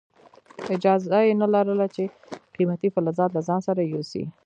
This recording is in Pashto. اجازه یې نه لرله چې قیمتي فلزات له ځان سره یوسي.